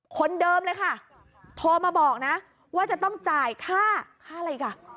คนเดิมเลยค่ะโทรมาบอกนะว่าจะต้องจ่ายค่าค่าอะไรอีกอ่ะ